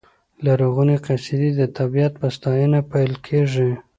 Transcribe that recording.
لرغونې قصیدې د طبیعت په ستاینه پیل کېږي.